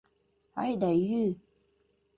Айда йӱ!